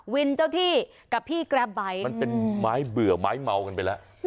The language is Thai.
เจ้าที่กับพี่แกรปไบท์มันเป็นไม้เบื่อไม้เมากันไปแล้ว